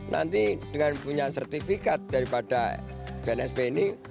nanti dengan punya sertifikat daripada bnsp ini